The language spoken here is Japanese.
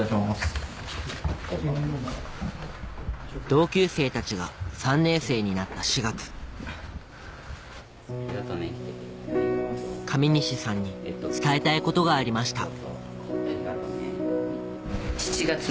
同級生たちが３年生になった４月上西さんに伝えたいことがありました